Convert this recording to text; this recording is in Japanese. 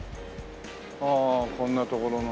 ああこんな所の。